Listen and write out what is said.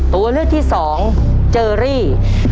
ตัวเลือกที่สองเจอรี่